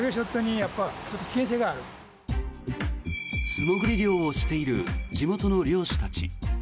素潜り漁をしている地元の漁師たち。